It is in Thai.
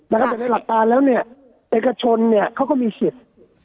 แต่ในหลักการแล้วเนี่ยเอกชนเนี่ยเขาก็มีสิทธิ์